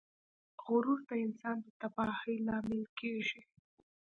غرور د انسان د تباهۍ لامل کیږي.